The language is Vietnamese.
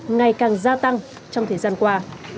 ngày càng gia tăng trong thời gian qua